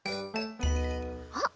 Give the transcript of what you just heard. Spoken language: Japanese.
あっ！